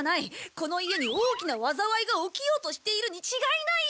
この家に大きな災いが起きようとしているに違いないよ。